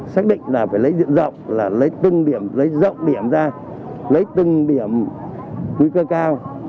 xác định là phải lấy diện rộng lấy rộng điểm ra lấy tương điểm nguy cơ cao